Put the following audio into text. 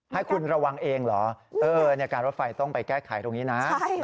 ให้คุณระวังเองเหรอเออเนี้ยการรถไฟต้องไปแก้ไขตรงนี้น่ะใช่ค่ะ